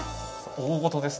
大ごとです